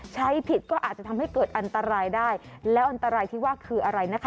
ใช้ผิดก็อาจจะเกิดการอันตรายนะครับ